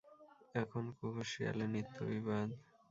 এখন কুকুর শিয়ালে নিত্য বিবাদ।